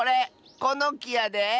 このきやで。